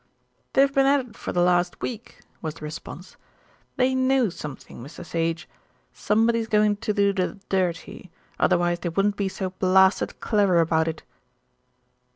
"They've been at it for the last week," was the response. "They know something, Mr. Sage. Somebody's going to do the dirty, otherwise they wouldn't be so blasted clever about it?"